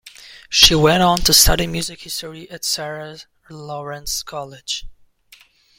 She went on to study music history at Sarah Lawrence College.